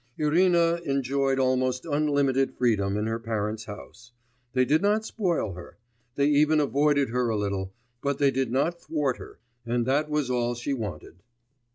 Irina enjoyed almost unlimited freedom in her parents' house; they did not spoil her, they even avoided her a little, but they did not thwart her, and that was all she wanted....